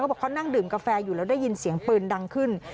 บอกเขานั่งดื่มกาแฟอยู่แล้วได้ยินเสียงปืนดังขึ้น